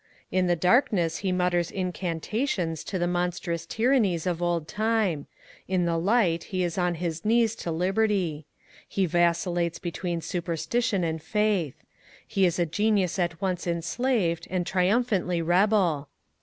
In the darkness he mutters incantations to the monstrous tyrannies of old time: in the light he is on his knees to liberty. He vacillates between superstition and faith. His is a genius at once enslaved and triumphantly rebel.